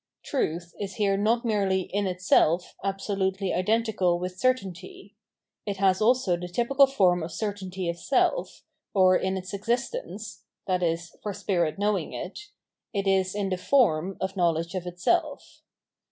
Truth is here not merely in itself absolutely identical with certainty ; it has also the typical form of certainty of self, or in its existence — i.e. for spirit knowing it — ^it is in the form of knowledge of itself.